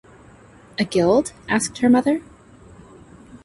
"A guild?" asked her mother